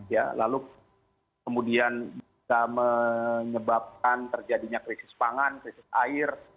ya lalu kemudian bisa menyebabkan terjadinya krisis pangan krisis air